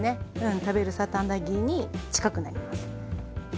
うん食べるサーターアンダギーに近くなります。